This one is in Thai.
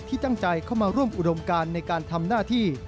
ตั้งใจเข้ามาร่วมอุดมการในการทำหน้าที่